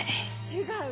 違う。